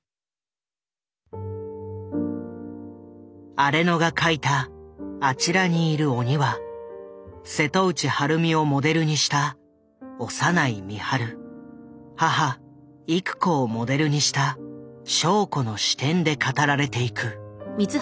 荒野が書いた「あちらにいる鬼」は瀬戸内晴美をモデルにした長内みはる母郁子をモデルにした笙子の視点で語られていく。